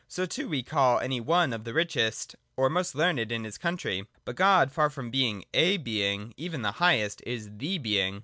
So too when we call any one the richest or most learned in his country. But God, far from being a Being, even the highest, is the Being.